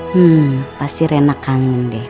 hmm pasti renat kangen deh